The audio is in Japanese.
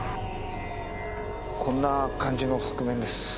こんな感じの覆面です。